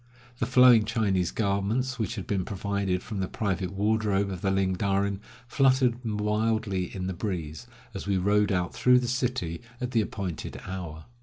The flowing Chinese garments which had been provided from the private wardrobe of the Ling Darin fluttered wildly in the breeze, as we rode out through the city at the appointed hour.